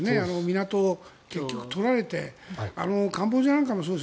港を結局、取られてカンボジアなんかもそうです。